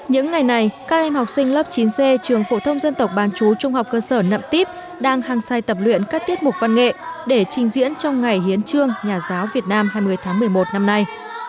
những ngày này các em học sinh lớp chín c trường phổ thông dân tộc bán chú trung học cơ sở nậm tiếp đang hàng sai tập luyện các tiết mục văn nghệ để trình diễn trong ngày hiến trương nhà giáo việt nam hai mươi tháng một mươi một năm nay